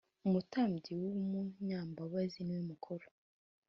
umutambyi w ‘umunyambabazi niwe mukuru.